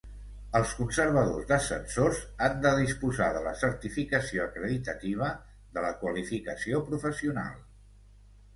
Els conservadors d'ascensors han de disposar de la certificació acreditativa de la qualificació professional.